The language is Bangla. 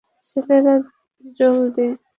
ছেলেরা, জলদি।